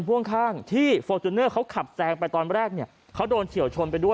พ่วงข้างที่ฟอร์จูเนอร์เขาขับแซงไปตอนแรกเนี่ยเขาโดนเฉียวชนไปด้วย